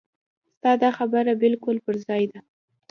ستا دا خبره بالکل پر ځای ده.